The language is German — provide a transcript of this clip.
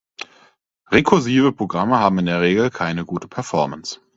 Rekursive Programme haben in der Regel keine gute Performance.